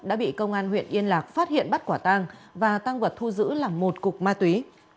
đã bị công an huyện yên lạc phát hiện bắt quả tang và tăng vật thu giữ là một cục ma túy